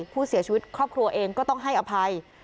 ผู้เสียชีวิตครอบครัวเองก็ต้องให้อภัย